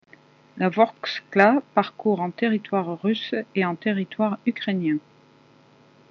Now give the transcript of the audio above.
La Vorksla parcourt en territoire russe et en territoire ukrainien.